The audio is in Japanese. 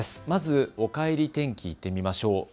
まずおかえり天気、行ってみましょう。